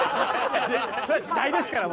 それは時代ですから！